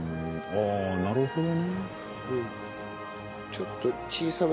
ああなるほど。